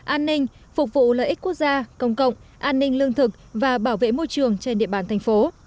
an ninh phục vụ lợi ích quốc gia công cộng an ninh lương thực và bảo vệ môi trường trên địa bàn thành phố